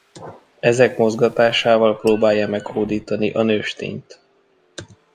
Ezek mozgatásával próbálja meghódítani a nőstényt.